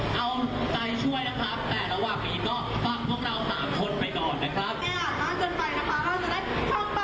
สำรวจการท่านทำร่างเจ็บของที่ได้เลยจ้า